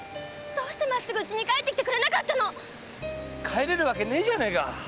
どうしてまっすぐ家に帰ってきてくれなかったの⁉帰れるわけねえじゃねえか！